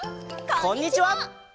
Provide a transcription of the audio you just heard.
こんにちは！